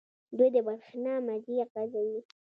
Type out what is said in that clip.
دوی د بریښنا مزي غځوي.